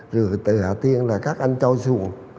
rồi từ hà tiên là các anh trao xuống